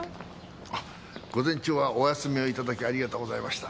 あっ午前中はお休みを頂きありがとうございました。